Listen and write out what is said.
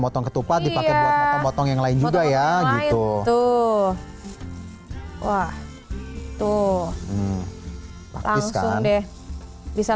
motong ketupat dipakai buat motong motong yang lain juga ya gitu tuh wah tuh langsung deh bisa